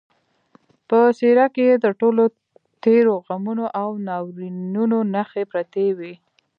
په څېره کې یې د ټولو تېرو غمونو او ناورینونو نښې پرتې وې